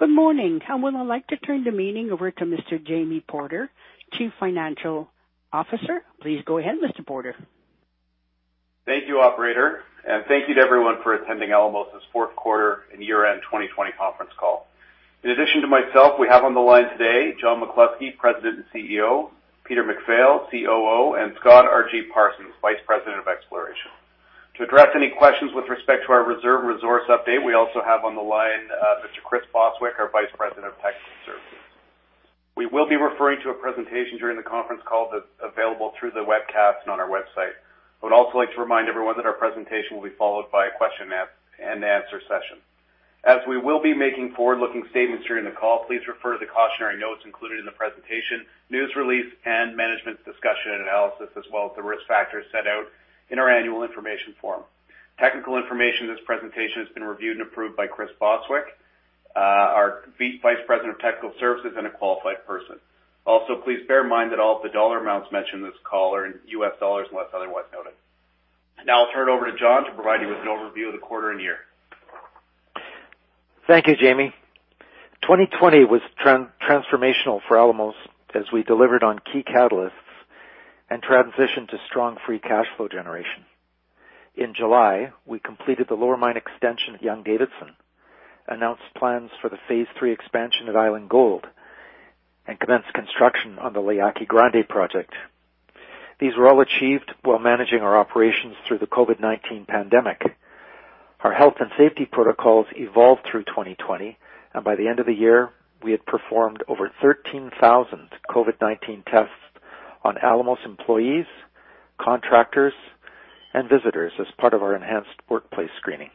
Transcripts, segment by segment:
Good morning. I would like to turn the meeting over to Mr. Jamie Porter, Chief Financial Officer. Please go ahead, Mr. Porter. Thank you, operator, and thank you to everyone for attending Alamos's fourth quarter and year-end 2020 conference call. In addition to myself, we have on the line today John McCluskey, President and CEO, Peter MacPhail, COO, and Scott R.G. Parsons, Vice President, Exploration. To address any questions with respect to our reserve resource update, we also have on the line Mr. Chris Bostwick, our Vice President of Technical Services. We will be referring to a presentation during the conference call that's available through the webcast and on our website. I would also like to remind everyone that our presentation will be followed by a question and answer session. We will be making forward-looking statements during the call, please refer to the cautionary notes included in the presentation, news release, and management's discussion and analysis, as well as the risk factors set out in our Annual Information Form. Technical information in this presentation has been reviewed and approved by Chris Bostwick, our Vice President of Technical Services, and a Qualified Person. Also, please bear in mind that all of the dollar amounts mentioned in this call are in U.S. dollars, unless otherwise noted. Now I'll turn it over to John to provide you with an overview of the quarter and year. Thank you, Jamie. 2020 was transformational for Alamos as we delivered on key catalysts and transitioned to strong free cash flow generation. In July, we completed the Lower Mine extension at Young-Davidson, announced plans for the Phase III expansion at Island Gold, and commenced construction on the Mulatos project. These were all achieved while managing our operations through the COVID-19 pandemic. Our health and safety protocols evolved through 2020, and by the end of the year, we had performed over 13,000 COVID-19 tests on Alamos employees, contractors, and visitors as part of our enhanced workplace screening.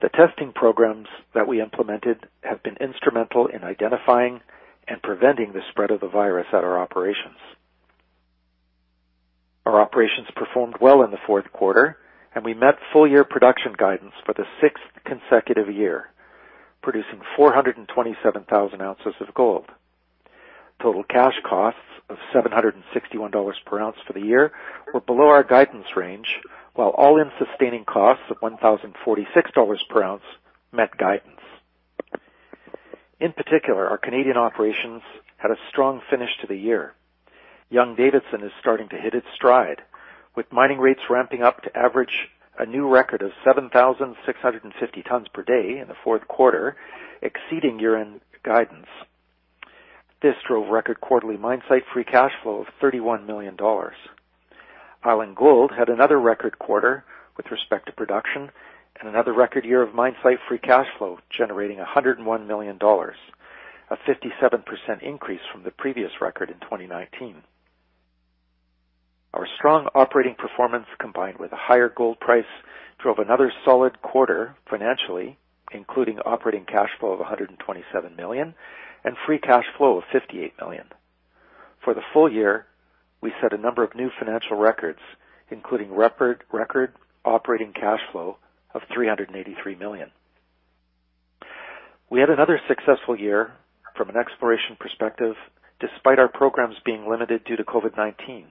The testing programs that we implemented have been instrumental in identifying and preventing the spread of the virus at our operations. Our operations performed well in the fourth quarter, and we met full year production guidance for the sixth consecutive year, producing 427,000 ounces of gold. Total cash costs of $761 per ounce for the year were below our guidance range, while all-in sustaining costs of $1,046 per ounce met guidance. In particular, our Canadian operations had a strong finish to the year. Young-Davidson is starting to hit its stride, with mining rates ramping up to average a new record of 7,650 tons per day in the fourth quarter, exceeding year-end guidance. This drove record quarterly mine-site free cash flow of $31 million. Island Gold had another record quarter with respect to production and another record year of mine-site free cash flow, generating $101 million, a 57% increase from the previous record in 2019. Our strong operating performance, combined with a higher gold price, drove another solid quarter financially, including operating cash flow of $127 million and free cash flow of $58 million. For the full year, we set a number of new financial records, including record operating cash flow of $383 million. We had another successful year from an exploration perspective, despite our programs being limited due to COVID-19.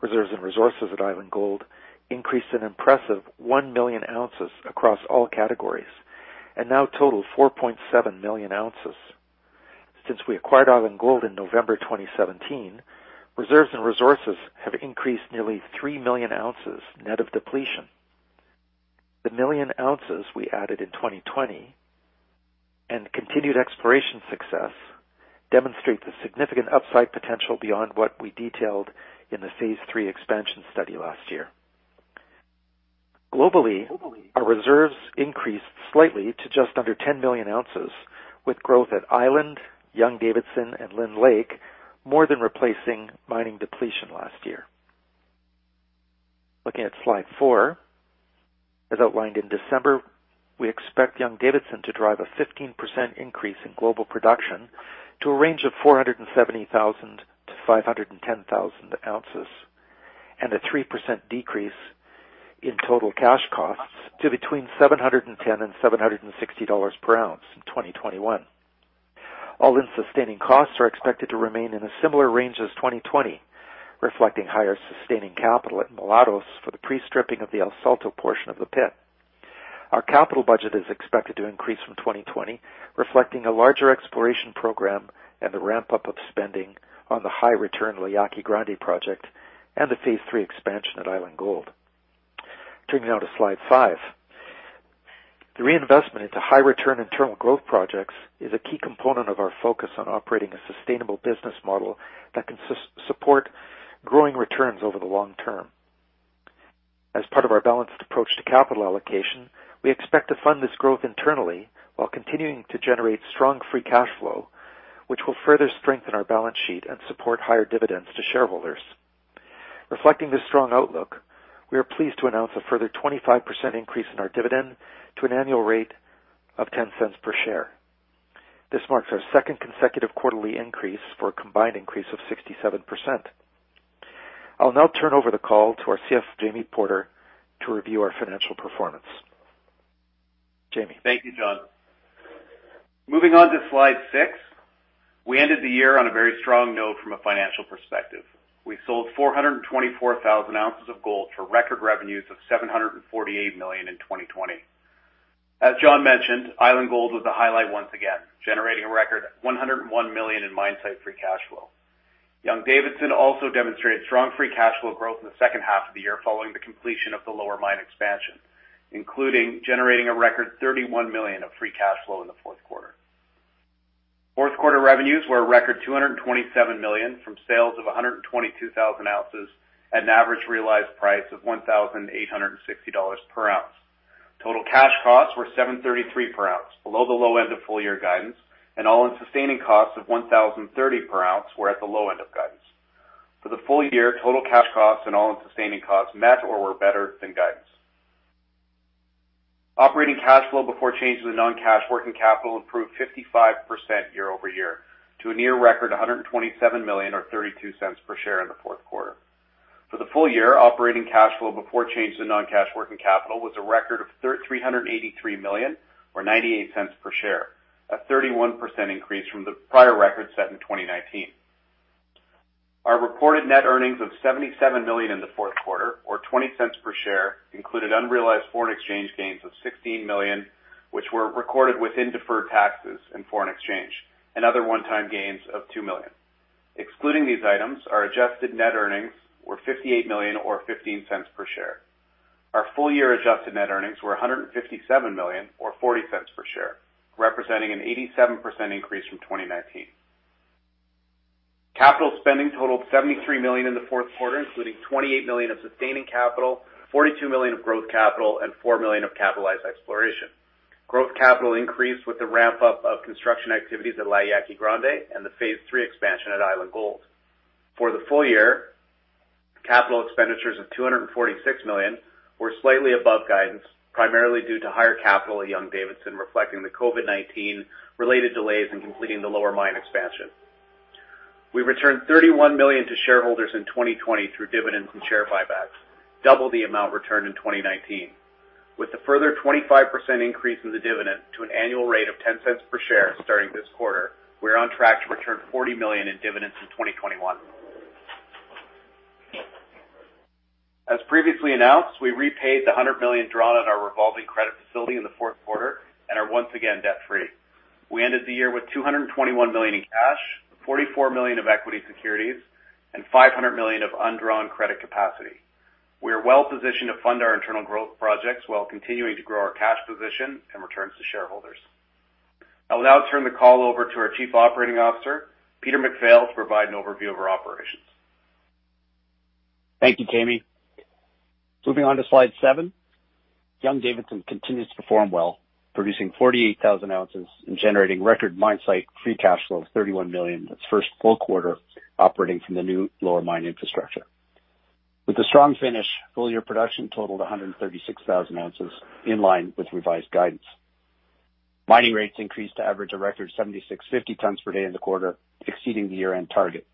Reserves and resources at Island Gold increased an impressive 1 million ounces across all categories and now total 4.7 million ounces. Since we acquired Island Gold in November 2017, reserves and resources have increased nearly 3 million ounces net of depletion. The 1 million ounces we added in 2020 and continued exploration success demonstrate the significant upside potential beyond what we detailed in the Phase III expansion study last year. Globally, our reserves increased slightly to just under 10 million ounces, with growth at Island, Young-Davidson, and Lynn Lake more than replacing mining depletion last year. Looking at slide four, as outlined in December, we expect Young-Davidson to drive a 15% increase in global production to a range of 470,000 ounces-510,000 ounces, and a 3% decrease in total cash costs to between $710 and $760 per ounce in 2021. all-in sustaining costs are expected to remain in a similar range as 2020, reflecting higher sustaining capital at Mulatos for the pre-stripping of the El Salto portion of the pit. Our capital budget is expected to increase from 2020, reflecting a larger exploration program and the ramp-up of spending on the high return Mulatos project and the Phase III expansion at Island Gold. Turning now to slide five. The reinvestment into high return internal growth projects is a key component of our focus on operating a sustainable business model that can support growing returns over the long term. As part of our balanced approach to capital allocation, we expect to fund this growth internally while continuing to generate strong free cash flow, which will further strengthen our balance sheet and support higher dividends to shareholders. Reflecting this strong outlook, we are pleased to announce a further 25% increase in our dividend to an annual rate of $0.10 per share. This marks our second consecutive quarterly increase for a combined increase of 67%. I'll now turn over the call to our CFO, Jamie Porter, to review our financial performance. Jamie? Thank you, John. Moving on to slide six. We ended the year on a very strong note from a financial perspective. We sold 424,000 ounces of gold for record revenues of $748 million in 2020. As John mentioned, Island Gold was the highlight once again, generating a record $101 million in mine-site free cash flow. Young-Davidson also demonstrated strong free cash flow growth in the second half of the year following the completion of the Lower Mine expansion, including generating a record $31 million of free cash flow in the fourth quarter. Fourth quarter revenues were a record $227 million from sales of 122,000 ounces at an average realized price of $1,860 per ounce. Total cash costs were $733 per ounce, below the low end of full year guidance, and all-in sustaining costs of $1,030 per ounce were at the low end of guidance. For the full year, total cash costs and all-in sustaining costs met or were better than guidance. Operating cash flow before changes to non-cash working capital improved 55% year-over-year to a near record $127 million or $0.32 per share in the fourth quarter. For the full year, operating cash flow before change to non-cash working capital was a record of $383 million or $0.98 per share, a 31% increase from the prior record set in 2019. Our reported net earnings of $77 million in the fourth quarter, or $0.20 per share, included unrealized foreign exchange gains of $16 million, which were recorded within deferred taxes and foreign exchange, and other one-time gains of $2 million. Excluding these items, our adjusted net earnings were $58 million or $0.15 per share. Our full year adjusted net earnings were $157 million or $0.40 per share, representing an 87% increase from 2019. Capital spending totaled $73 million in the fourth quarter, including $28 million of sustaining capital, $42 million of growth capital, and $4 million of capitalized exploration. Growth capital increased with the ramp-up of construction activities at La Yaqui Grande and the Phase III expansion at Island Gold. For the full year, capital expenditures of $246 million were slightly above guidance, primarily due to higher capital at Young-Davidson, reflecting the COVID-19 related delays in completing the Lower Mine expansion. We returned $31 million to shareholders in 2020 through dividends and share buybacks, double the amount returned in 2019. With a further 25% increase in the dividend to an annual rate of $0.10 per share starting this quarter, we are on track to return $40 million in dividends in 2021. As previously announced, we repaid the $100 million drawn on our revolving credit facility in the fourth quarter and are once again debt-free. We ended the year with $221 million in cash, $44 million of equity securities, and $500 million of undrawn credit capacity. We are well positioned to fund our internal growth projects while continuing to grow our cash position and returns to shareholders. I will now turn the call over to our Chief Operating Officer, Peter MacPhail, to provide an overview of our operations. Thank you, Jamie. Moving on to slide seven. Young-Davidson continues to perform well, producing 48,000 ounces and generating record mine-site free cash flow of $31 million in its first full quarter operating from the new lower mine infrastructure. A strong finish, full year production totaled 136,000 ounces, in line with revised guidance. Mining rates increased to average a record 7,650 tons per day in the quarter, exceeding the year-end target.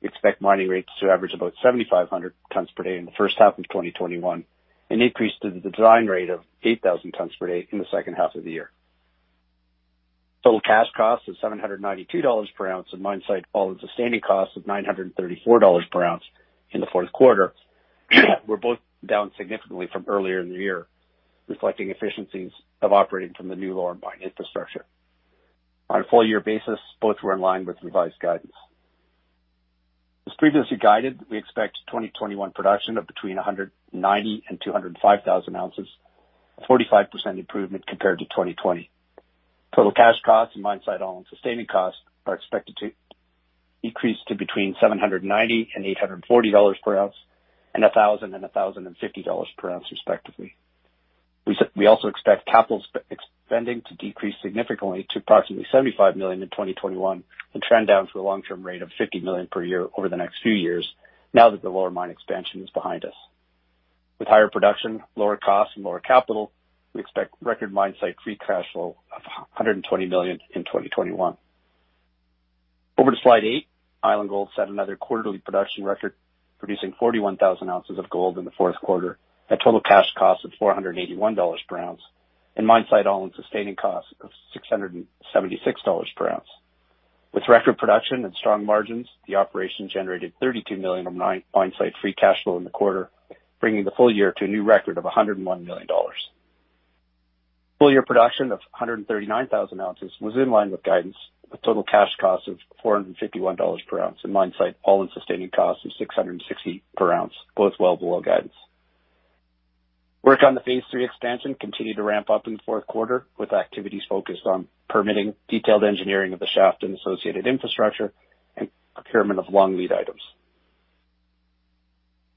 We expect mining rates to average about 7,500 tons per day in the first half of 2021, an increase to the design rate of 8,000 tons per day in the second half of the year. Total cash costs of $792 per ounce and mine-site all-in sustaining costs of $934 per ounce in the fourth quarter were both down significantly from earlier in the year, reflecting efficiencies of operating from the new lower mine infrastructure. On a full year basis, both were in line with revised guidance. As previously guided, we expect 2021 production of between 190,000 and 205,000 ounces, a 45% improvement compared to 2020. Total cash costs and mine-site all-in sustaining costs are expected to decrease to between $790-$840 per ounce and $1,000-$1,050 per ounce respectively. We also expect capital spending to decrease significantly to approximately $75 million in 2021 and trend down to a long-term rate of $50 million per year over the next few years now that the Lower Mine extension is behind us. With higher production, lower costs, and lower capital, we expect record mine-site free cash flow of $120 million in 2021. Over to slide eight. Island Gold set another quarterly production record, producing 41,000 ounces of gold in the fourth quarter at total cash costs of $481 per ounce and mine-site all-in sustaining costs of $676 per ounce. With record production and strong margins, the operation generated $32 million of mine-site free cash flow in the quarter, bringing the full year to a new record of $101 million. Full year production of 139,000 ounces was in line with guidance, with total cash costs of $451 per ounce and mine-site all-in sustaining costs of $660 per ounce, both well below guidance. Work on the Phase III expansion continued to ramp up in the fourth quarter, with activities focused on permitting, detailed engineering of the shaft and associated infrastructure, and procurement of long lead items.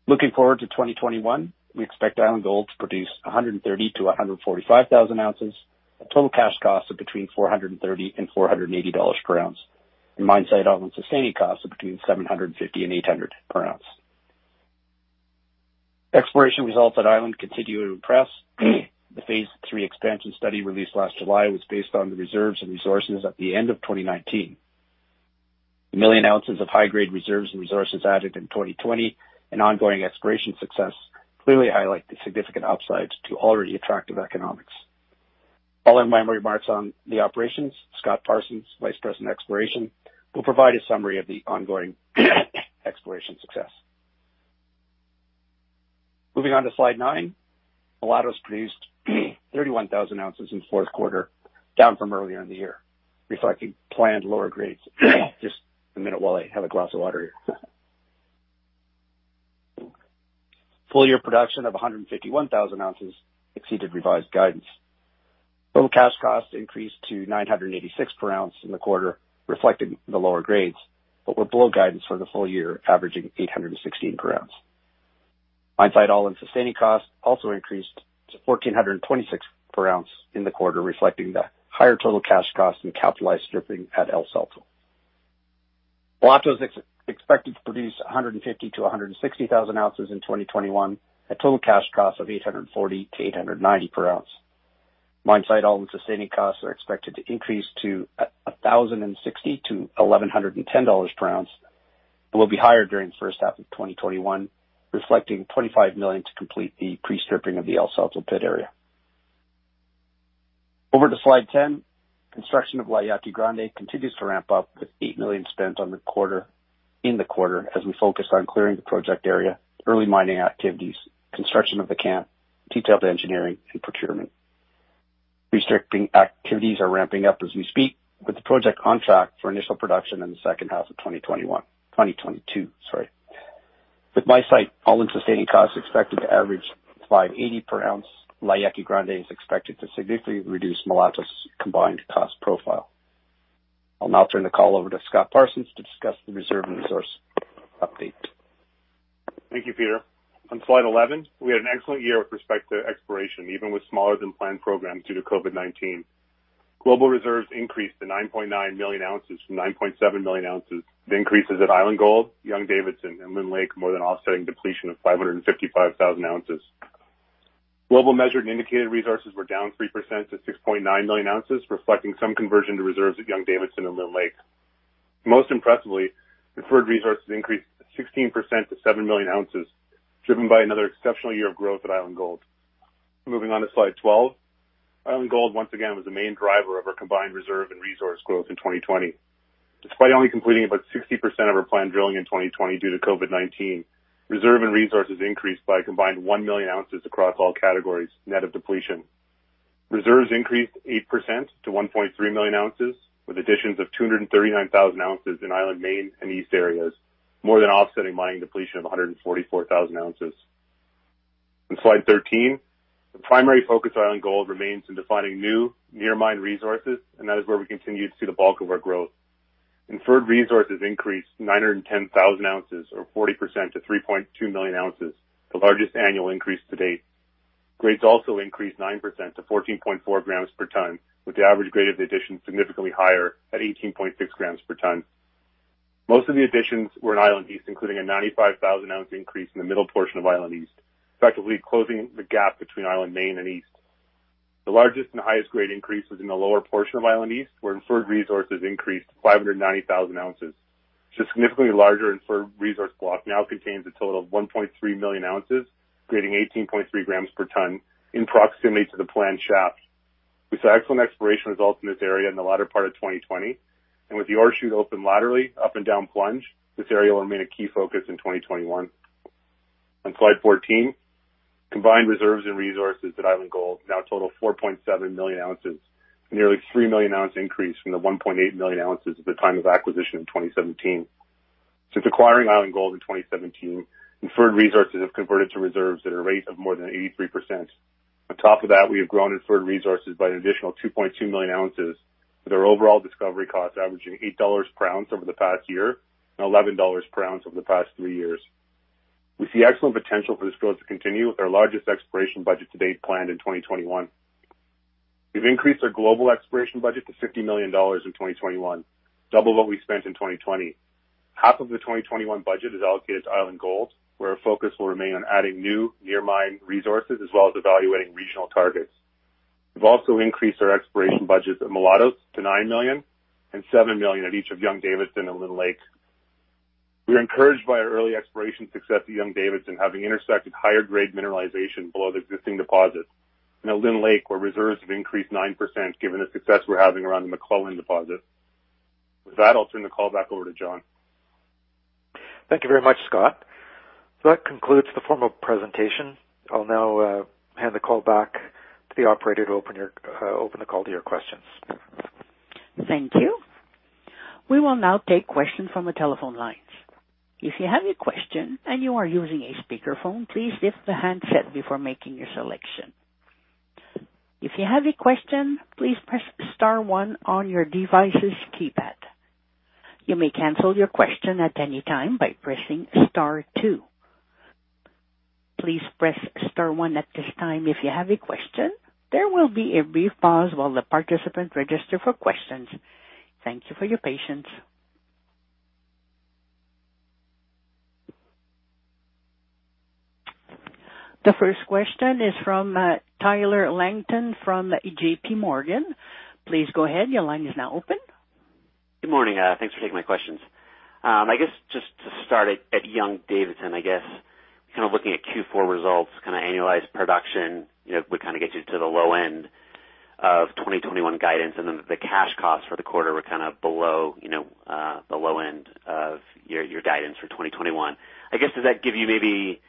Looking forward to 2021, we expect Island Gold to produce 130,000 ounces-145,000 ounces, a total cash costs of between $430 and $480 per ounce, and mine site all-in sustaining costs of between $750 and $800 per ounce. Exploration results at Island continue to impress. The Phase III expansion study released last July was based on the reserves and resources at the end of 2019. 1 million ounces of high-grade reserves and resources added in 2020 and ongoing exploration success clearly highlight the significant upsides to already attractive economics. I'll end my remarks on the operations. Scott Parsons, Vice President, Exploration, will provide a summary of the ongoing exploration success. Moving on to slide nine. Mulatos produced 31,000 ounces in the fourth quarter, down from earlier in the year, reflecting planned lower grades. Just a minute while I have a glass of water here. Full-year production of 151,000 ounces exceeded revised guidance. Total cash costs increased to $986 per ounce in the quarter, reflecting the lower grades, but were below guidance for the full year, averaging $816 per ounce. Mine site all-in sustaining costs also increased to $1,426 per ounce in the quarter, reflecting the higher total cash costs and capitalized stripping at El Salto. Mulatos is expected to produce 150,000 ounces-160,000 ounces in 2021 at total cash costs of $840-$890 per ounce. Mine site all-in sustaining costs are expected to increase to $1,060-$1,110 per ounce, and will be higher during the first half of 2021, reflecting $25 million to complete the pre-stripping of the El Salto pit area. Over to slide 10. Construction of La Yaqui Grande continues to ramp up, with $8 million spent in the quarter as we focused on clearing the project area, early mining activities, construction of the camp, detailed engineering, and procurement. Construction activities are ramping up as we speak with the project on track for initial production in the second half of 2021. 2022, sorry. With mine-site all-in sustaining costs expected to average $580 per ounce, La Yaqui Grande is expected to significantly reduce Mulatos' combined cost profile. I'll now turn the call over to Scott Parsons to discuss the reserve and resource update. Thank you, Peter. On slide 11, we had an excellent year with respect to exploration, even with smaller than planned programs due to COVID-19. Global reserves increased to 9.9 million ounces from 9.7 million ounces. The increases at Island Gold, Young-Davidson, and Lynn Lake more than offsetting depletion of 555,000 ounces. Global Measured and Indicated Mineral Resources were down 3% to 6.9 million ounces, reflecting some conversion to reserves at Young-Davidson and Lynn Lake. Most impressively, Inferred Mineral Resources increased 16% to 7 million ounces, driven by another exceptional year of growth at Island Gold. Moving on to slide 12. Island Gold, once again, was the main driver of our combined reserve and resource growth in 2020. Despite only completing about 60% of our planned drilling in 2020 due to COVID-19, reserve and resources increased by a combined 1 million ounces across all categories, net of depletion. Reserves increased 8% to 1.3 million ounces, with additions of 239,000 ounces in Island Main and East areas, more than offsetting mining depletion of 144,000 ounces. On slide 13, the primary focus of Island Gold remains in defining new near-mine resources, and that is where we continue to see the bulk of our growth. Inferred resources increased 910,000 ounces or 40% to 3.2 million ounces, the largest annual increase to date. Grades also increased 9% to 14.4 grams per ton, with the average grade of the addition significantly higher at 18.6 grams per ton. Most of the additions were in Island East, including a 95,000-ounce increase in the middle portion of Island East, effectively closing the gap between Island Main and East. The largest and highest grade increase was in the lower portion of Island East, where inferred resources increased 590,000 ounces. This significantly larger inferred resource block now contains a total of 1.3 million ounces, grading 18.3 grams per ton in proximity to the planned shaft. With the ore shoot open laterally up and down plunge, this area will remain a key focus in 2021. On slide 14, combined reserves and resources at Island Gold now total 4.7 million ounces, a nearly three million ounce increase from the 1.8 million ounces at the time of acquisition in 2017. Since acquiring Island Gold in 2017, inferred resources have converted to reserves at a rate of more than 83%. On top of that, we have grown inferred resources by an additional 2.2 million ounces, with our overall discovery costs averaging $8 per ounce over the past year and $11 per ounce over the past three years. We see excellent potential for this growth to continue with our largest exploration budget to date planned in 2021. We've increased our global exploration budget to $50 million in 2021, double what we spent in 2020. Half of the 2021 budget is allocated to Island Gold, where our focus will remain on adding new near-mine resources as well as evaluating regional targets. We've also increased our exploration budgets at Mulatos to $9 million and $7 million at each of Young-Davidson and Lynn Lake. We are encouraged by our early exploration success at Young-Davidson, having intersected higher grade mineralization below the existing deposit. At Lynn Lake, where reserves have increased 9% given the success we're having around the MacLellan deposit. With that, I'll turn the call back over to John. Thank you very much, Scott. That concludes the formal presentation. I'll now hand the call back to the operator to open the call to your questions. Thank you. We will now take questions from the telephone lines. If you have a question and you are using a speakerphone, please lift the handset before making your selection. If you have a question, please press star one on your device's keypad. You may cancel your question at any time by pressing star two. Please press star one at this time if you have a question. There will be a brief pause while the participants register for questions. Thank you for your patience. The first question is from Tyler Langton from JP Morgan. Please go ahead. Your line is now open. Good morning. Thanks for taking my questions. Just to start at Young-Davidson, looking at Q4 results, annualized production would get you to the low end of 2021 guidance, and then the cash costs for the quarter were below the low end of your guidance for 2021. Does that give you maybe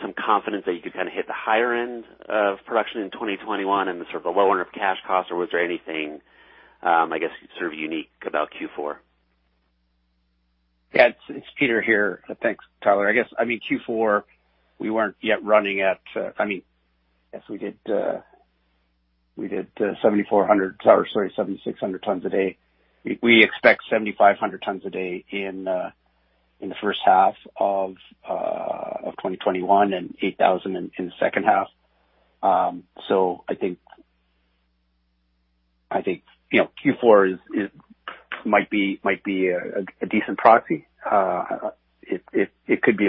some confidence that you could hit the higher end of production in 2021 and the lower end of cash costs, or was there anything unique about Q4? Yeah, it's Peter here. Thanks, Tyler. Q4, we did 7,600 tons a day. We expect 7,500 tons a day in the first half of 2021 and 8,000 in the second half. I think Q4 might be a decent proxy. It could be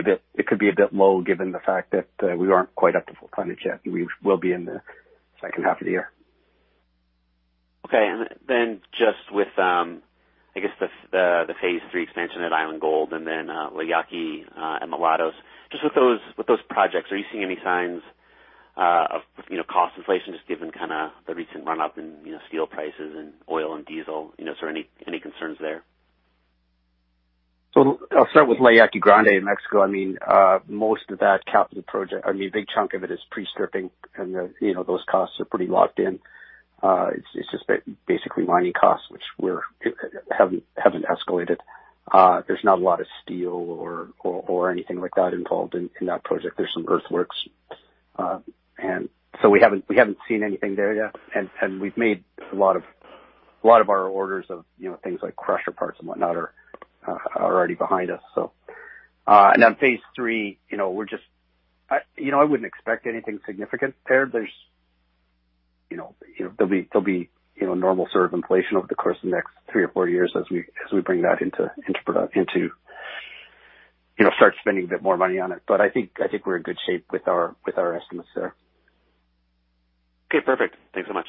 a bit low given the fact that we aren't quite up to full tonnage yet. We will be in the second half of the year. Okay. Just with the Phase III expansion at Island Gold and La Yaqui and Mulatos. Just with those projects, are you seeing any signs of cost inflation, just given the recent run-up in steel prices and oil and diesel? Is there any concerns there? I'll start with La Yaqui Grande in Mexico. Most of that capital project, a big chunk of it is pre-stripping, and those costs are pretty locked in. It's just basically mining costs, which haven't escalated. There's not a lot of steel or anything like that involved in that project. There's some earthworks. We haven't seen anything there yet. We've made a lot of our orders of things like crusher parts and whatnot are already behind us. On Phase III, I wouldn't expect anything significant there. There'll be normal inflation over the course of the next three or four years as we bring that into start spending a bit more money on it. I think we're in good shape with our estimates there. Okay, perfect. Thanks so much.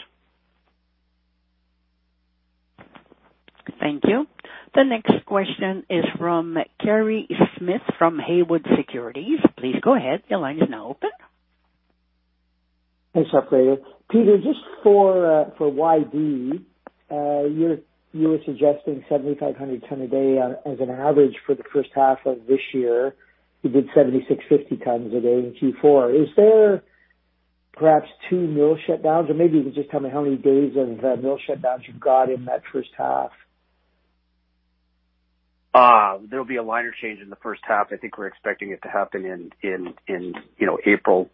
Thank you. The next question is from Kerry Smith from Haywood Securities. Please go ahead. Your line is now open. Thanks, operator. Peter, just for YD, you were suggesting 7,500 ton a day as an average for the first half of this year. You did 7,650 tons a day in Q4. Is there perhaps two mill shutdowns, or maybe you could just tell me how many days of mill shutdowns you've got in that first half? There'll be a liner change in the first half. I think we're expecting it to happen in April.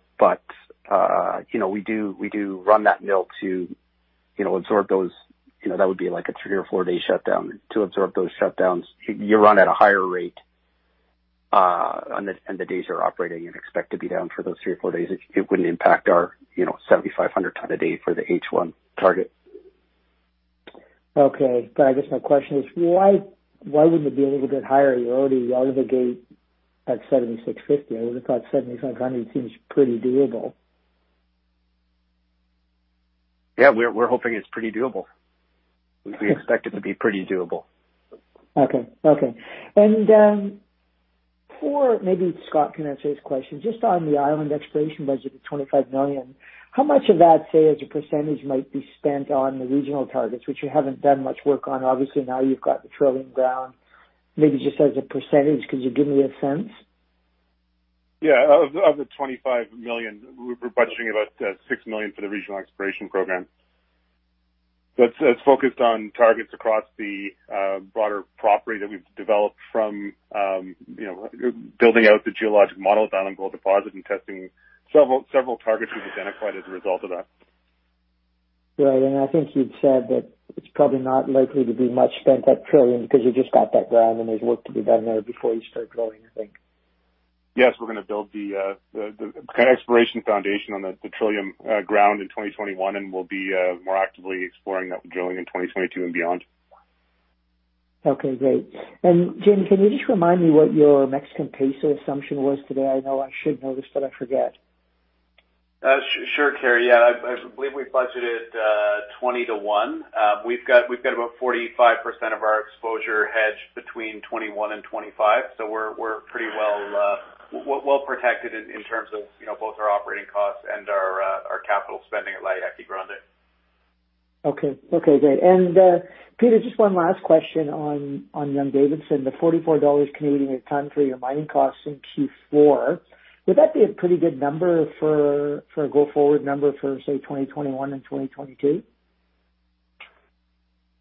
We do run that mill to absorb those. That would be like a three or four-day shutdown. To absorb those shutdowns, you run at a higher rate on the days you're operating and expect to be down for those three or four days. It wouldn't impact our 7,500 ton a day for the H1 target. Okay. I guess my question is, why wouldn't it be a little bit higher? You're already out of the gate at $7,650. I would have thought $7,500 seems pretty doable. Yeah, we're hoping it's pretty doable. We expect it to be pretty doable. Okay. Maybe Scott can answer this question, just on the Island Gold exploration budget of $25 million, how much of that, say, as a percentage might be spent on the regional targets, which you haven't done much work on, obviously now you've got the Trillium ground. Maybe just as a percentage, could you give me a sense? Yeah. Of the $25 million, we're budgeting about $6 million for the regional exploration program. That's focused on targets across the broader property that we've developed from building out the geologic model of Island Gold deposit and testing several targets we've identified as a result of that. Right. I think you'd said that it's probably not likely to be much spent at Trillium because you just got that ground and there's work to be done there before you start drilling, I think. Yes, we're going to build the exploration foundation on the Trillium ground in 2021, and we'll be more actively exploring that with drilling in 2022 and beyond. Okay, great. Jim, can you just remind me what your Mexican peso assumption was today? I know I should know this, but I forget. Sure, Kerry. Yeah, I believe we budgeted 20 to one. We've got about 45% of our exposure hedged between 21 and 25, so we're pretty well protected in terms of both our operating costs and our capital spending at La Yaqui Grande. Okay, great. Peter, just one last question on Young-Davidson. The 44 Canadian dollars a ton for your mining costs in Q4, would that be a pretty good number for a go forward number for, say, 2021 and 2022?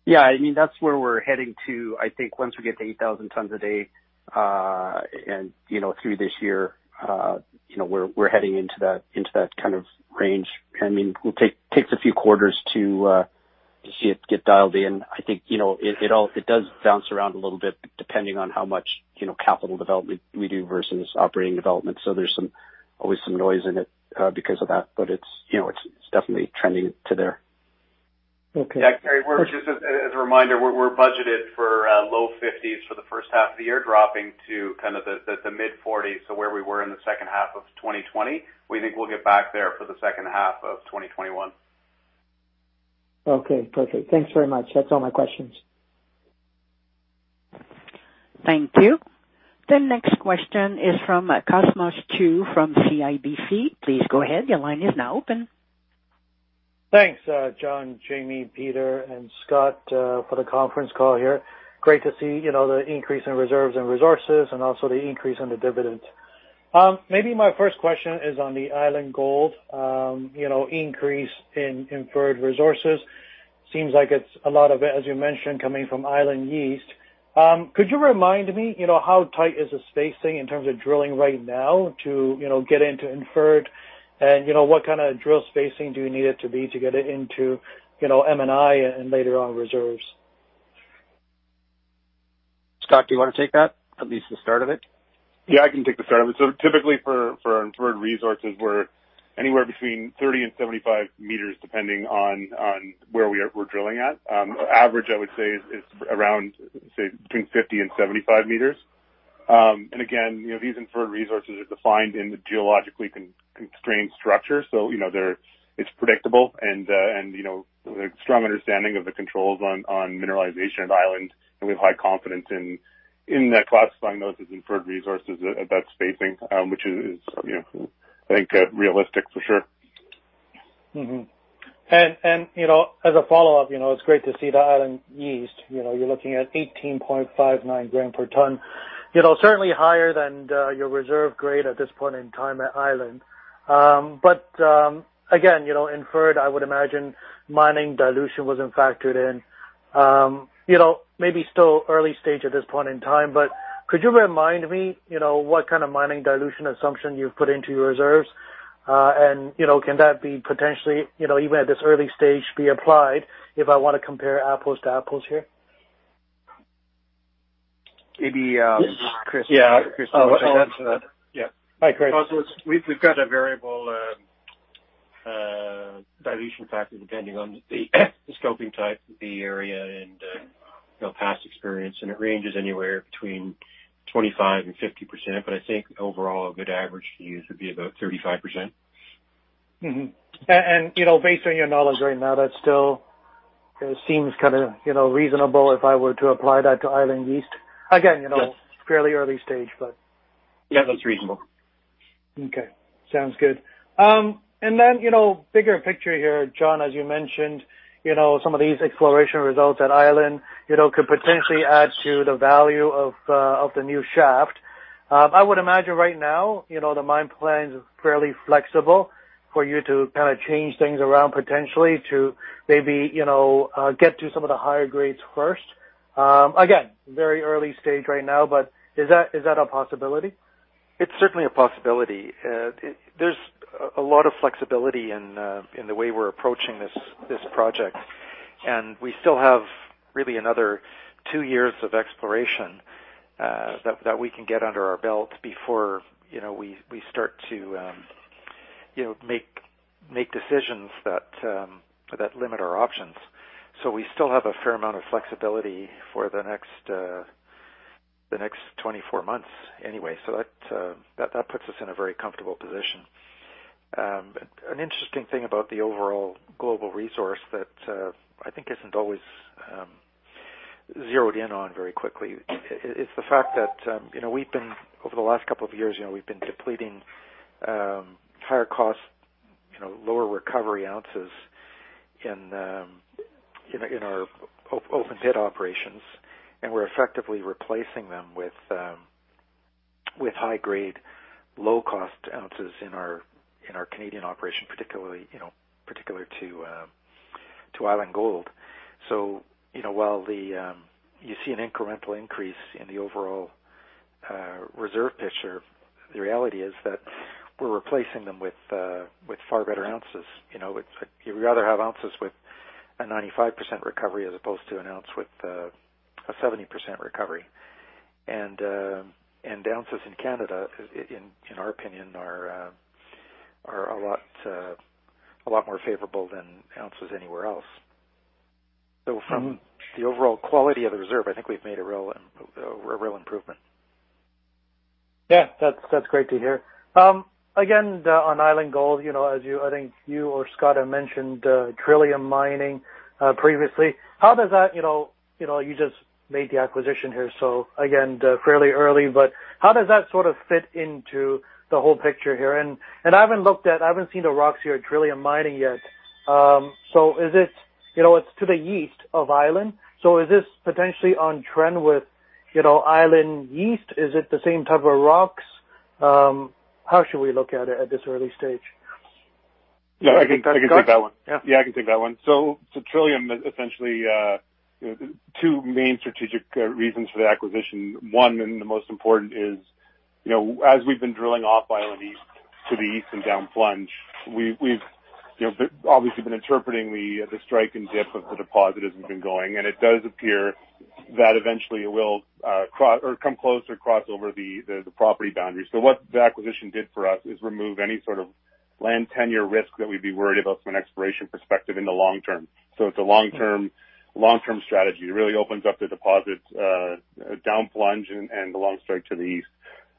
Yeah, that's where we're heading to. I think once we get to 8,000 tons a day through this year we're heading into that kind of range. It takes a few quarters to get dialed in. I think it does bounce around a little bit depending on how much capital development we do versus operating development. There's always some noise in it because of that, but it's definitely trending to there. Okay. Yeah, Kerry, just as a reminder, we're budgeted for low 50s for the first half of the year, dropping to the mid-40s, so where we were in the second half of 2020. We think we'll get back there for the second half of 2021. Okay, perfect. Thanks very much. That's all my questions. Thank you. The next question is from Cosmos Chiu from CIBC. Please go ahead. Thanks, John, Jamie, Peter, and Scott, for the conference call here. Great to see the increase in reserves and resources and also the increase in the dividends. Maybe my first question is on the Island Gold increase in Inferred Mineral Resources. Seems like it's a lot of it, as you mentioned, coming from Island East. Could you remind me, how tight is the spacing in terms of drilling right now to get into inferred, and what kind of drill spacing do you need it to be to get it into M&I and later on reserves? Scott, do you want to take that? At least the start of it. Yeah, I can take the start of it. Typically for Inferred Mineral Resources, we're anywhere between 30 and 75 meters, depending on where we're drilling at. Average, I would say, is around between 50 and 75 meters. Again, these Inferred Mineral Resources are defined in the geologically constrained structure. It's predictable and there's a strong understanding of the controls on mineralization at Island. We have high confidence in classifying those as Inferred Mineral Resources at that spacing, which is, I think, realistic for sure. Mm-hmm. As a follow-up, it's great to see the Island Gold. You're looking at 18.59 gram per ton. Certainly higher than your reserve grade at this point in time at Island Gold. Again, inferred, I would imagine mining dilution wasn't factored in. Maybe still early stage at this point in time, but could you remind me what kind of mining dilution assumption you've put into your reserves? Can that be potentially, even at this early stage, be applied if I want to compare apples to apples here? Maybe, Chris. Yeah. Hi, Chris. Cosmos, we've got a variable dilution factor depending on the scoping type, the area, and past experience, and it ranges anywhere between 25% and 50%. I think overall, a good average to use would be about 35%. Mm-hmm. Based on your knowledge right now, that still seems reasonable if I were to apply that to Island East. Yes fairly early stage. Yeah, that's reasonable. Okay. Sounds good. Bigger picture here, John, as you mentioned, some of these exploration results at Island could potentially add to the value of the new shaft. I would imagine right now, the mine plan is fairly flexible for you to change things around potentially to maybe get to some of the higher grades first. Again, very early stage right now, but is that a possibility? It's certainly a possibility. There's a lot of flexibility in the way we're approaching this project. We still have really another two years of exploration that we can get under our belt before we start to make decisions that limit our options. We still have a fair amount of flexibility for the next 24 months anyway. That puts us in a very comfortable position. An interesting thing about the overall global resource that I think isn't always zeroed in on very quickly is the fact that over the last couple of years, we've been depleting higher cost, lower recovery ounces in our open pit operations, and we're effectively replacing them with high grade, low cost ounces in our Canadian operation, particular to Island Gold. While you see an incremental increase in the overall reserve picture, the reality is that we're replacing them with far better ounces. You'd rather have ounces with a 95% recovery as opposed to an ounce with a 70% recovery. Ounces in Canada, in our opinion, are a lot more favorable than ounces anywhere else. From the overall quality of the reserve, I think we've made a real improvement. Yeah, that's great to hear. Again, on Island Gold, as I think you or Scott have mentioned Trillium Mining previously. You just made the acquisition here, so again, fairly early, but how does that sort of fit into the whole picture here? I haven't seen the rocks here at Trillium Mining yet. It's to the east of Island, so is this potentially on trend with Island East? Is it the same type of rocks? How should we look at it at this early stage? Yeah, I can take that one. Yeah. Yeah, I can take that one. Trillium is essentially two main strategic reasons for the acquisition. One, and the most important is, as we've been drilling off Island Gold to the east and down plunge, we've obviously been interpreting the strike and dip of the deposit as we've been going, and it does appear that eventually it will come close or cross over the property boundary. What the acquisition did for us is remove any sort of land tenure risk that we'd be worried about from an exploration perspective in the long term. It's a long-term strategy. It really opens up the deposit down plunge and the long strike to the east.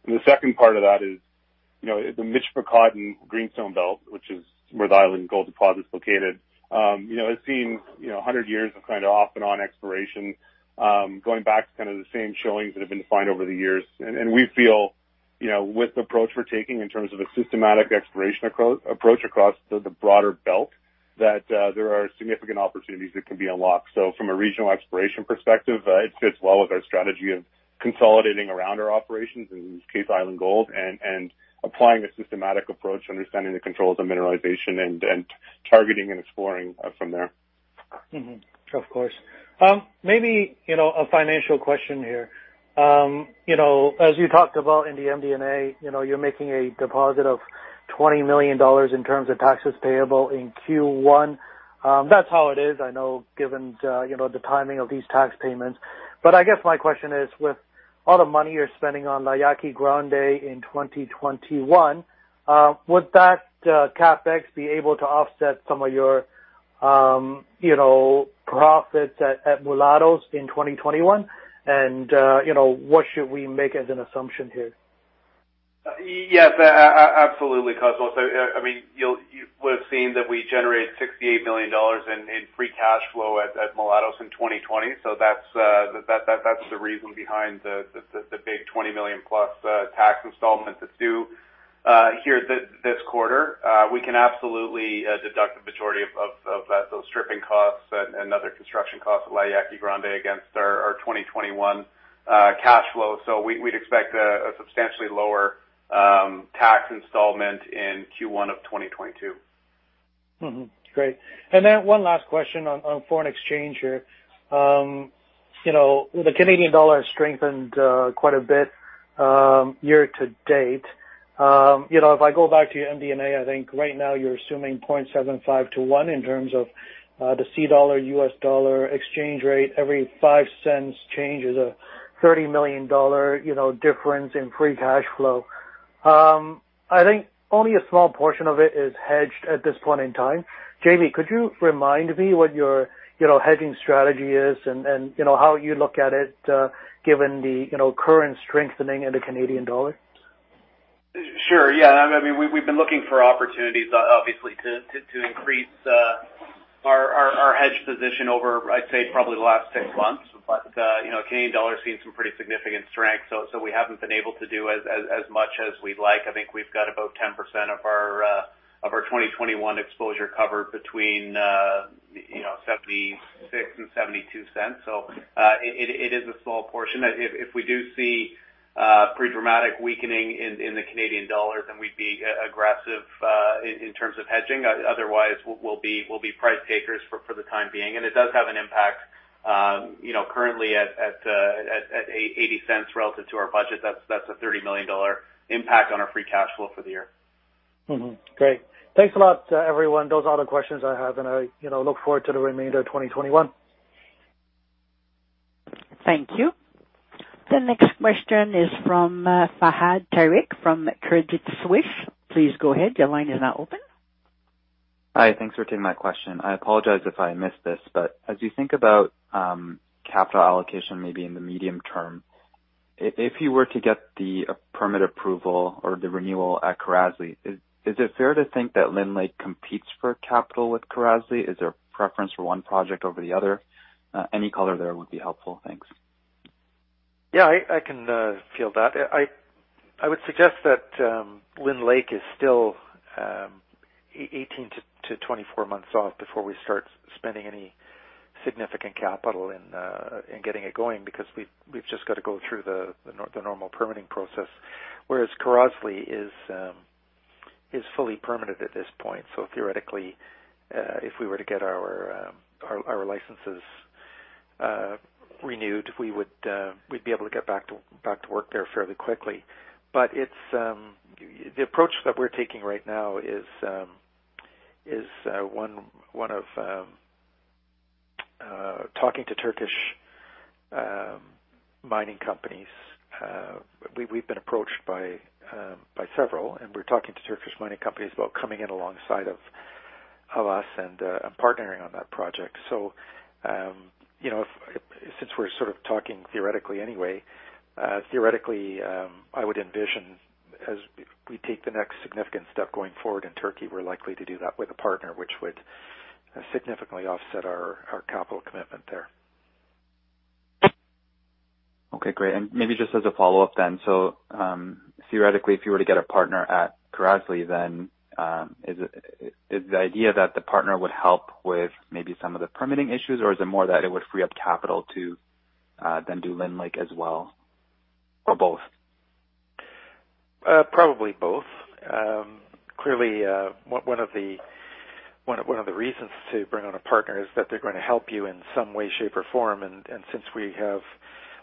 The second part of that is The Michipicoten Greenstone Belt, which is where the Island Gold deposit is located, has seen 100 years of off and on exploration, going back to the same showings that have been found over the years. We feel, with the approach we're taking in terms of a systematic exploration approach across the broader belt, that there are significant opportunities that can be unlocked. From a regional exploration perspective, it fits well with our strategy of consolidating around our operations, in this case, Island Gold, and applying a systematic approach to understanding the controls of mineralization and targeting and exploring from there. Of course. Maybe a financial question here. As you talked about in the MD&A, you're making a deposit of $20 million in terms of taxes payable in Q1. That's how it is, I know, given the timing of these tax payments. I guess my question is, with all the money you're spending on La Yaqui Grande in 2021, would that CapEx be able to offset some of your profits at Mulatos in 2021? What should we make as an assumption here? Yes, absolutely, Cosmos. You would've seen that we generated $68 million in free cash flow at Mulatos in 2020. That's the reason behind the big $20 million-plus tax installment that's due here this quarter. We can absolutely deduct the majority of those stripping costs and other construction costs at La Yaqui Grande against our 2021 cash flow. We'd expect a substantially lower tax installment in Q1 of 2022. Great. One last question on foreign exchange here. The Canadian dollar has strengthened quite a bit year-to-date. If I go back to your MD&A, I think right now you're assuming 0.75 to one in terms of the CAD, USD exchange rate. Every $0.05 change is a $30 million difference in free cash flow. I think only a small portion of it is hedged at this point in time. Jamie, could you remind me what your hedging strategy is and how you look at it given the current strengthening in the Canadian dollar? Sure. We've been looking for opportunities, obviously, to increase our hedged position over, I'd say, probably the last six months. Canadian dollar has seen some pretty significant strength, we haven't been able to do as much as we'd like. I think we've got about 10% of our 2021 exposure covered between $0.76 and $0.72. It is a small portion. If we do see a pretty dramatic weakening in the Canadian dollar, then we'd be aggressive in terms of hedging. Otherwise, we'll be price takers for the time being. It does have an impact currently at $0.80 relative to our budget. That's a $30 million impact on our free cash flow for the year. Great. Thanks a lot to everyone. Those are all the questions I have, and I look forward to the remainder of 2021. Thank you. The next question is from Fahad Tariq from Credit Suisse. Please go ahead. Hi. Thanks for taking my question. I apologize if I missed this, as you think about capital allocation maybe in the medium term, if you were to get the permit approval or the renewal at Kirazli, is it fair to think that Lynn Lake competes for capital with Kirazli? Is there a preference for one project over the other? Any color there would be helpful. Thanks. Yeah, I can field that. I would suggest that Lynn Lake is still 18-24 months off before we start spending any significant capital in getting it going, because we've just got to go through the normal permitting process. Whereas Kirazli is fully permitted at this point. Theoretically, if we were to get our licenses renewed, we'd be able to get back to work there fairly quickly. The approach that we're taking right now is one of talking to Turkish mining companies. We've been approached by several, and we're talking to Turkish mining companies about coming in alongside of us and partnering on that project. Since we're sort of talking theoretically anyway, theoretically, I would envision as we take the next significant step going forward in Turkey, we're likely to do that with a partner, which would significantly offset our capital commitment there. Okay, great. Maybe just as a follow-up then, theoretically, if you were to get a partner at Kirazli, then is the idea that the partner would help with maybe some of the permitting issues, or is it more that it would free up capital to then do Lynn Lake as well, or both? Probably both. Clearly, one of the reasons to bring on a partner is that they're going to help you in some way, shape, or form. Since we have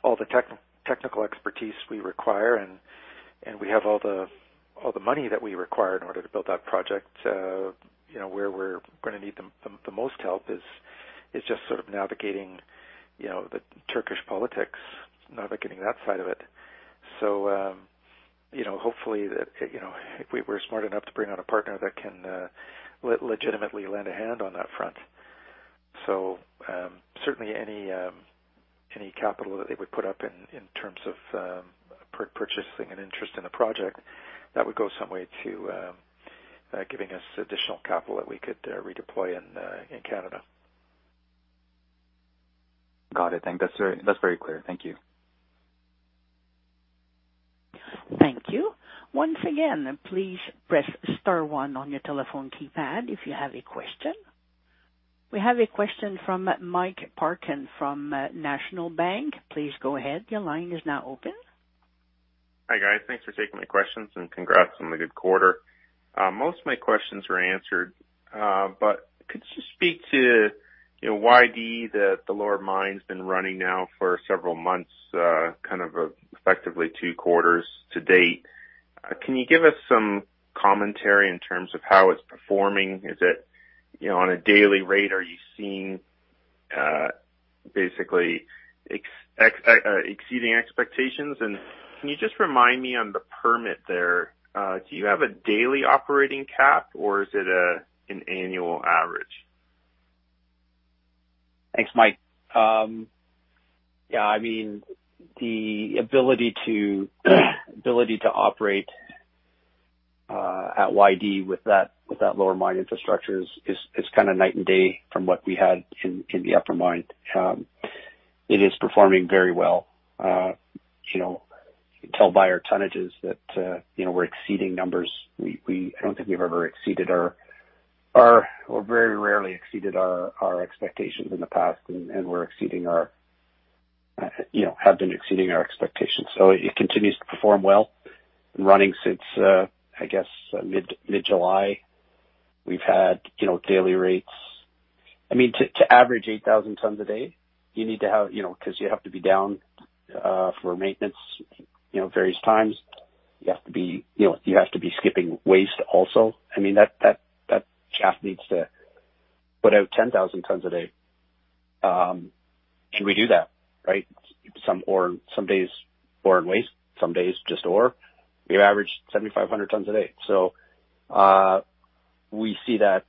all the technical expertise we require and we have all the money that we require in order to build that project, where we're going to need the most help is just sort of navigating the Turkish politics, navigating that side of it. Hopefully, we're smart enough to bring on a partner that can legitimately lend a hand on that front. Certainly any capital that they would put up in terms of purchasing an interest in the project, that would go some way to giving us additional capital that we could redeploy in Canada. Got it. Thank you. That's very clear. Thank you. Thank you. Once again, please press star one on your telephone keypad if you have a question. We have a question from Mike Parkin from National Bank. Please go ahead. Your line is now open. Hi, guys. Thanks for taking my questions, and congrats on the good quarter. Most of my questions were answered, could you speak to YD, the Lower Mine's been running now for several months, effectively two quarters to date. Can you give us some commentary in terms of how it's performing? Is it on a daily rate? Are you seeing basically exceeding expectations? Can you just remind me on the permit there, do you have a daily operating cap or is it an annual average? Thanks, Mike. The ability to operate at YD with that Lower Mine infrastructure is kind of night and day from what we had in the upper mine. It is performing very well. You can tell by our tonnages that we're exceeding numbers. I don't think we've ever exceeded or very rarely exceeded our expectations in the past. We have been exceeding our expectations. It continues to perform well. It has been running since, I guess, mid-July. We've had daily rates. To average 8,000 tons a day, because you have to be down for maintenance various times, you have to be skipping waste also. That shaft needs to put out 10,000 tons a day. We do that, right? Some days ore and waste, some days just ore. We average 7,500 tons a day. We see that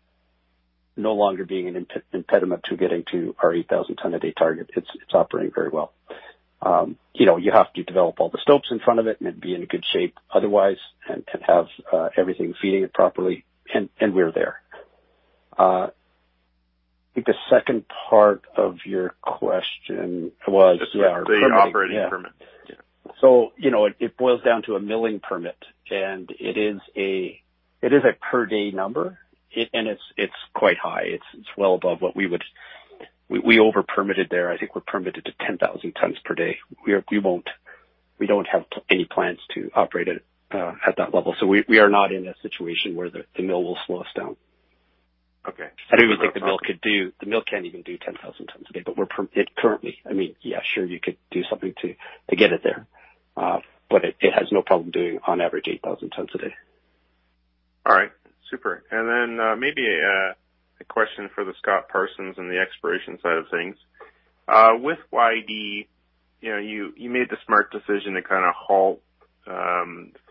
no longer being an impediment to getting to our 8,000 ton a day target. It's operating very well. You have to develop all the stopes in front of it and it be in good shape otherwise, and have everything feeding it properly, and we're there. I think the second part of your question was our permitting. The operating permit. Yeah. It boils down to a milling permit. It is a per day number. It's quite high. It's well above. We over-permitted there. I think we're permitted to 10,000 tons per day. We don't have any plans to operate it at that level. We are not in a situation where the mill will slow us down. Okay. I don't even think the mill can even do 10,000 tons a day, but we're permitted currently. Yeah, sure, you could do something to get it there. It has no problem doing on average 8,000 tons a day. All right. Super. Maybe a question for the Scott Parsons on the exploration side of things. With YD, you made the smart decision to halt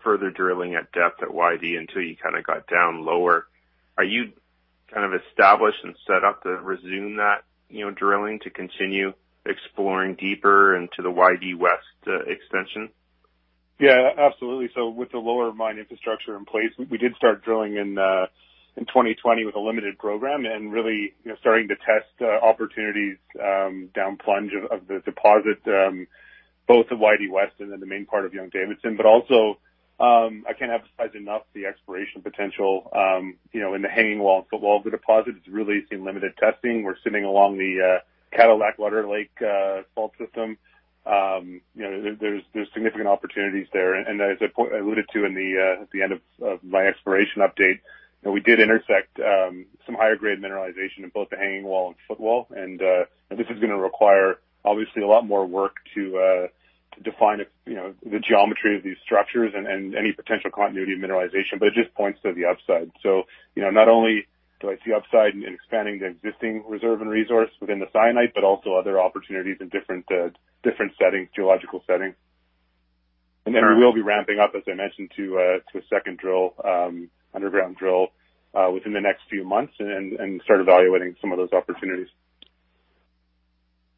further drilling at depth at YD until you got down lower. Are you established and set up to resume that drilling to continue exploring deeper into the YD West extension? Yeah, absolutely. With the lower mine infrastructure in place, we did start drilling in 2020 with a limited program and really starting to test opportunities down plunge of the deposit, both of YD West and then the main part of Young-Davidson. Also, I can't emphasize enough the exploration potential in the hanging wall and footwall of the deposit. It's really seen limited testing. We're sitting along the Cadillac-Larder Lake Fault Zone. There's significant opportunities there, and as I alluded to at the end of my exploration update, we did intersect some higher grade mineralization in both the hanging wall and footwall. This is going to require obviously a lot more work to define the geometry of these structures and any potential continuity of mineralization, but it just points to the upside. Not only do I see upside in expanding the existing reserve and resource within the syenite, but also other opportunities in different geological settings. We will be ramping up, as I mentioned, to a second underground drill within the next few months and start evaluating some of those opportunities.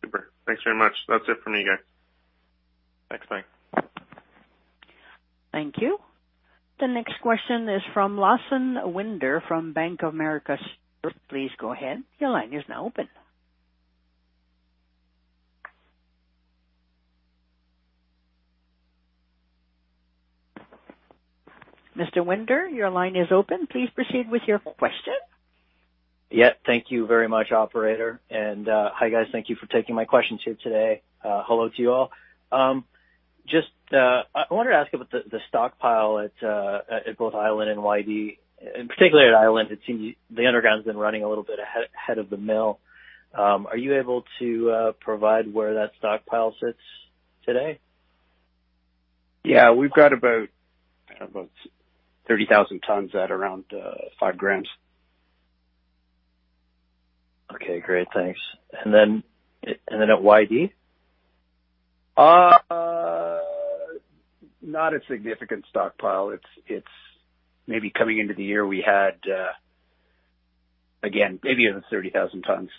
Super. Thanks very much. That's it for me, guys. Thanks, bye. Thank you. The next question is from Lawson Winder from Bank of America. Sir, please go ahead. Your line is now open. Mr. Winder, your line is open. Please proceed with your question. Yeah, thank you very much, operator. Hi, guys. Thank you for taking my questions here today. Hello to you all. Just I wanted to ask about the stockpile at both Island and YD, and particularly at Island, it seems the underground's been running a little bit ahead of the mill. Are you able to provide where that stockpile sits today? Yeah. We've got about 30,000 tons at around five grams. Okay, great. Thanks. Then at YD? Not a significant stockpile. Maybe coming into the year we had, again, maybe in the 30,000 tons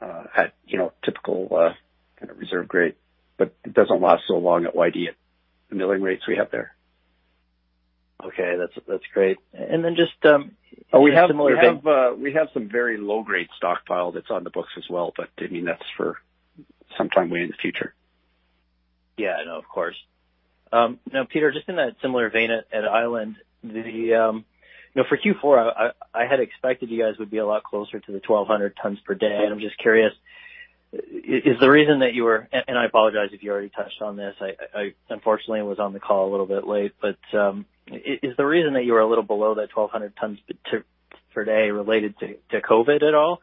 at typical kind of reserve grade, but it doesn't last so long at YD at the milling rates we have there. Okay. That's great. We have some very low-grade stockpile that's on the books as well, but that's for some time way in the future. Yeah, I know. Of course. Peter, just in that similar vein at Island, for Q4, I had expected you guys would be a lot closer to the 1,200 tons per day, and I'm just curious, is the reason that you were, and I apologize if you already touched on this, I unfortunately was on the call a little bit late, but is the reason that you were a little below that 1,200 tons per day related to COVID-19 at all?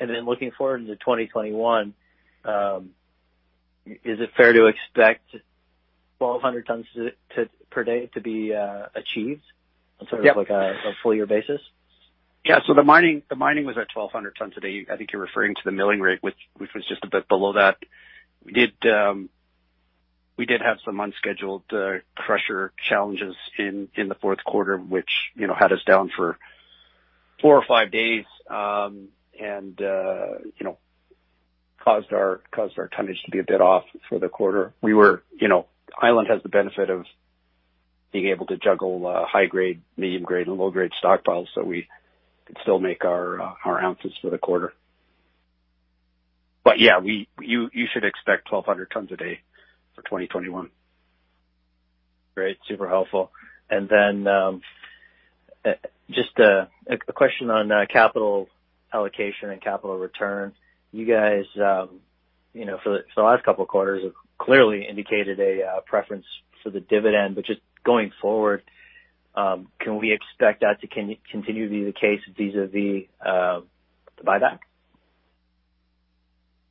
Looking forward into 2021, is it fair to expect 1,200 tons per day to be achieved? Yep on sort of a full year basis? Yeah. The mining was at 1,200 tons a day. I think you're referring to the milling rate, which was just a bit below that. We did have some unscheduled crusher challenges in the fourth quarter, which had us down for four or five days, and caused our tonnage to be a bit off for the quarter. Island Gold has the benefit of being able to juggle high grade, medium grade, and low grade stockpiles so we could still make our ounces for the quarter. Yeah, you should expect 1,200 tons a day for 2021. Great. Super helpful. Just a question on capital allocation and capital return. You guys, for the last couple of quarters have clearly indicated a preference for the dividend, but just going forward, can we expect that to continue to be the case vis-a-vis the buyback?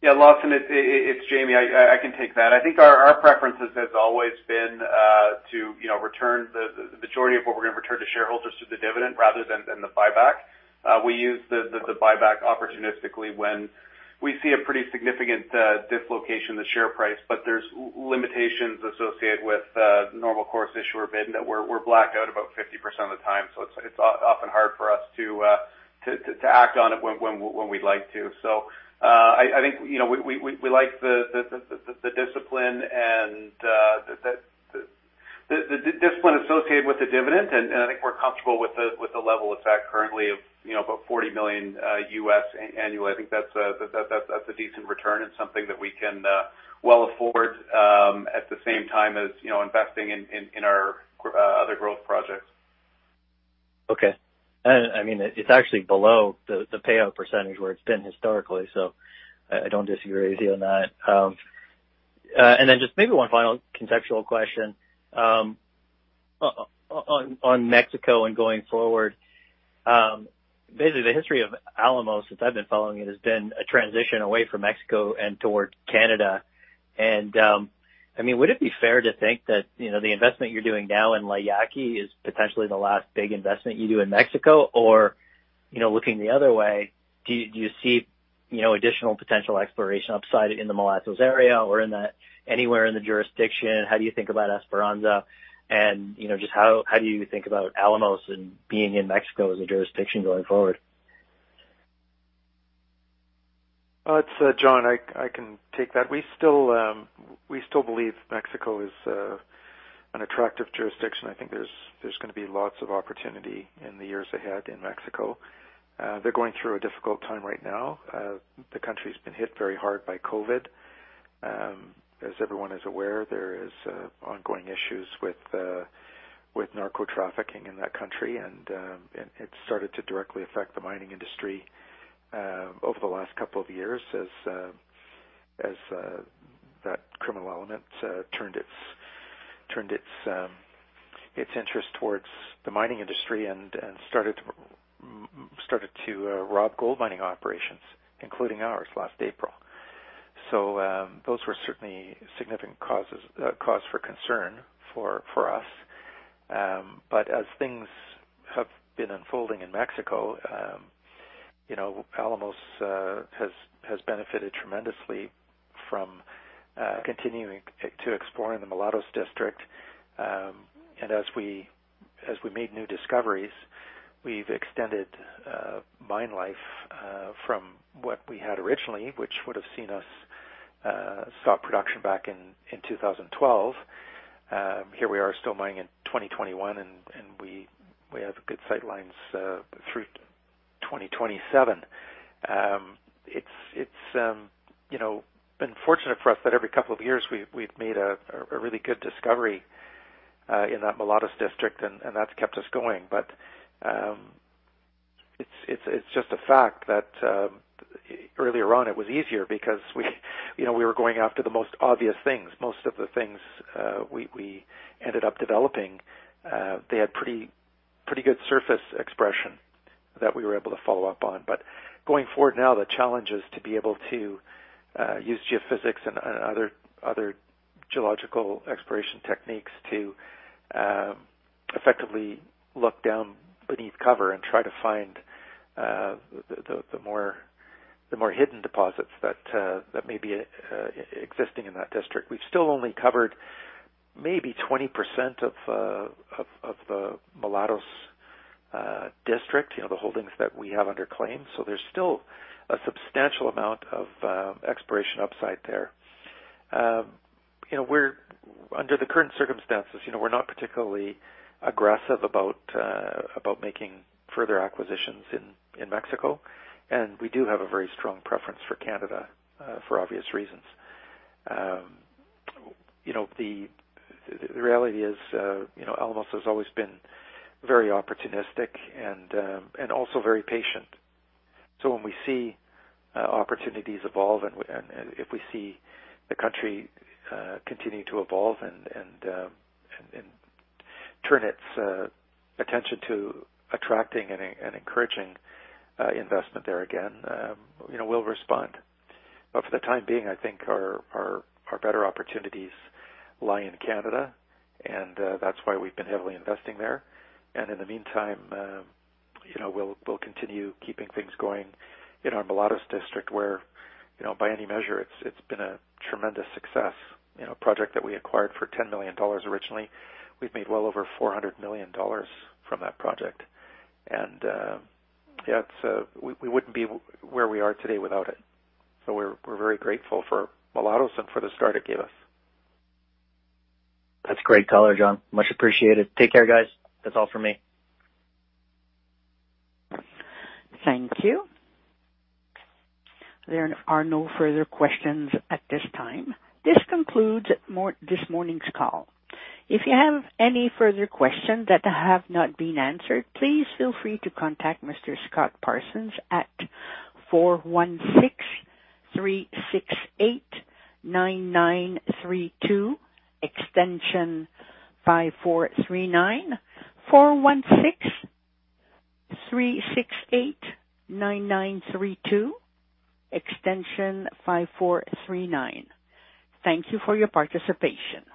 Lawson, it's Jamie. I can take that. I think our preference has always been to return the majority of what we're going to return to shareholders through the dividend rather than the buyback. We use the buyback opportunistically when we see a pretty significant dislocation in the share price. There's limitations associated with normal course issuer bid, and that we're blacked out about 50% of the time. It's often hard for us to act on it when we'd like to. I think we like the discipline associated with the dividend, and I think we're comfortable with the level it's at currently of about $40 million U.S. annually. I think that's a decent return and something that we can well afford, at the same time as investing in our other growth projects. Okay. It's actually below the payout % where it's been historically, so I don't disagree with you on that. Just maybe one final contextual question on Mexico and going forward. Basically, the history of Alamos, since I've been following it, has been a transition away from Mexico and towards Canada. Would it be fair to think that the investment you're doing now in Mulatos is potentially the last big investment you do in Mexico? Looking the other way, do you see additional potential exploration upside in the Mulatos area or anywhere in the jurisdiction? How do you think about Esperanza? Just how do you think about Alamos and being in Mexico as a jurisdiction going forward? It's John. I can take that. We still believe Mexico is an attractive jurisdiction. I think there's going to be lots of opportunity in the years ahead in Mexico. They're going through a difficult time right now. The country's been hit very hard by COVID. As everyone is aware, there is ongoing issues with narco trafficking in that country, and it started to directly affect the mining industry over the last couple of years as that criminal element turned its interest towards the mining industry and started to rob gold mining operations, including ours last April. Those were certainly significant cause for concern for us. As things have been unfolding in Mexico, Alamos has benefited tremendously from continuing to explore in the Mulatos District. As we made new discoveries, we've extended mine life from what we had originally, which would've seen us stop production back in 2012. Here we are still mining in 2021, and we have good sight lines through 2027. It's been fortunate for us that every couple of years we've made a really good discovery in that Mulatos District. That's kept us going. It's just a fact that earlier on it was easier because we were going after the most obvious things. Most of the things we ended up developing, they had pretty good surface expression that we were able to follow up on. Going forward now, the challenge is to be able to use geophysics and other geological exploration techniques to effectively look down beneath cover and try to find the more hidden deposits that may be existing in that district. We've still only covered maybe 20% of Mulatos District, the holdings that we have under claim. There's still a substantial amount of exploration upside there. Under the current circumstances, we're not particularly aggressive about making further acquisitions in Mexico, and we do have a very strong preference for Canada, for obvious reasons. The reality is, Alamos has always been very opportunistic and also very patient. When we see opportunities evolve and if we see the country continuing to evolve and turn its attention to attracting and encouraging investment there again, we'll respond. For the time being, I think our better opportunities lie in Canada, and that's why we've been heavily investing there. In the meantime, we'll continue keeping things going in our Mulatos District, where, by any measure, it's been a tremendous success. Project that we acquired for $10 million originally, we've made well over $400 million from that project. We wouldn't be where we are today without it. We're very grateful for Mulatos and for the start it gave us. That's great color, John. Much appreciated. Take care, guys. That's all for me. Thank you. There are no further questions at this time. This concludes this morning's call. If you have any further questions that have not been answered, please feel free to contact Mr. Scott Parsons at 416-368-9932, extension 5439. 416-368-9932, extension 5439. Thank you for your participation.